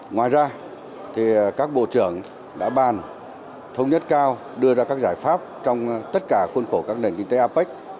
ngoài ra các bộ trưởng đã bàn thống nhất cao đưa ra các giải pháp trong tất cả khuôn khổ các nền kinh tế apec